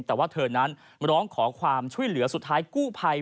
แต่ว่าเธอนั้นร้องขอความช่วยเหลือสุดท้ายกู้ภัย